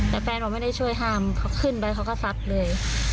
หลังแฟนบอกว่าไม่ได้ช่วยห้ามเขาขึ้นไปเค้าก็ฟังเลย